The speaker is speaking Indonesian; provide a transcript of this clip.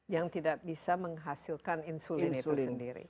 yang tidak bisa menghasilkan insulin itu sendiri